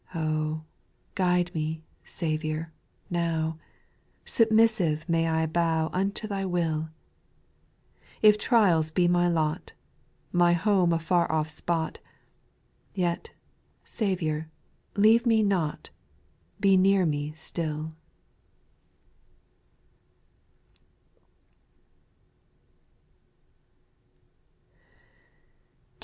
8. ' Oh, guide me, Saviour! now; Submissive, may I bow Unto Thy will. If trials be my lot. My home a far off spot — Yet, Saviour, leave me not I Be near me still